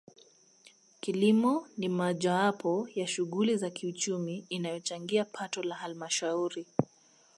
Kilimo ni mojawapo ya shughuli za kiuchumi inayochangia pato la Halmashauri